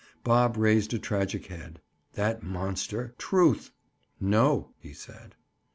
Bob raised a tragic head. That monster, Truth! "No," he said.